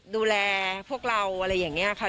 ดูแลพวกเราอะไรอย่างนี้ค่ะ